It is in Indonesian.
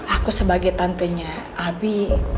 aku sebagai tantenya abi